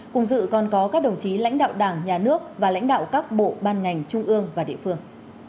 cùng dự còn có các đồng chí lãnh đạo đảng nhà nước và lãnh đạo các bộ ban ngành trung ương và địa phương